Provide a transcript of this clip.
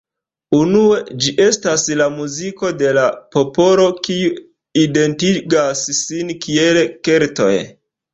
Unue, ĝi estas la muziko de la popolo kiu identigas sin kiel Keltoj.